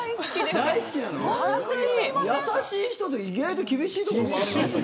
優しい人って意外と厳しいところある。